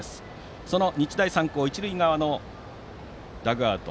その日大三高は一塁側のダグアウト。